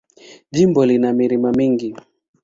Jimbo lina milima mingi.